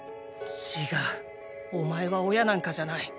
ちがうお前は親なんかじゃない。